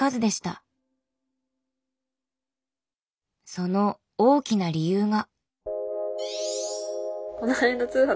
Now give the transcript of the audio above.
その大きな理由が。